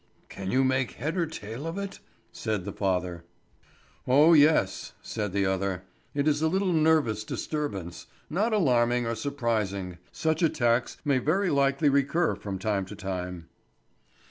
"Can you make head or tail of it?" said the father. "Oh, yes," said the other. "It is a little nervous disturbance, not alarming or surprising; such attacks may very likely recur from time to time."